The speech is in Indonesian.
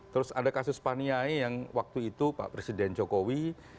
terus ada kasus paniai yang waktu itu pak presiden jokowi